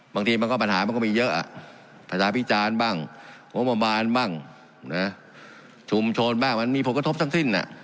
บางทีมันก็ปัญหามันก็มีเยอะประชาพิจารณ์บ้างงบประมาณบ้างนะชุมชนบ้างมันมีผลกระทบทั้งสิ้น